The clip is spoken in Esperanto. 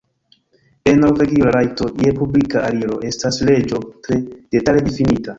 En Norvegio la rajto je publika aliro estas leĝo tre detale difinita.